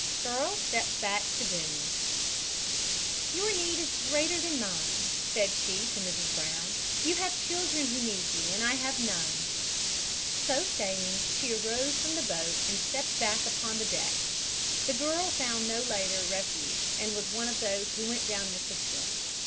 GIRL STEPS BACK TO DOOM "Your need is greater than mine," said she to Mrs. Brown. "You have children who need you, and I have none." So saying she arose from the boat and stepped back upon the deck. The girl found no later refuge and was one of those who went down with the ship.